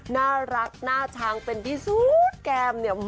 น่ารักหน้าชังเป็นที่ซุดแกม